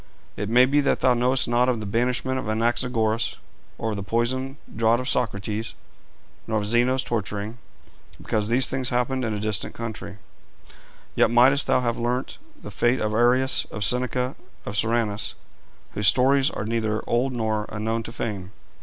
It may be thou knowest not of the banishment of Anaxagoras, of the poison draught of Socrates, nor of Zeno's torturing, because these things happened in a distant country; yet mightest thou have learnt the fate of Arrius, of Seneca, of Soranus, whose stories are neither old nor unknown to fame.